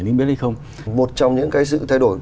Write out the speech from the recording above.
nên biết hay không một trong những cái sự thay đổi